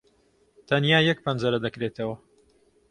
تەنیا یەک پەنجەرە دەکرێتەوە.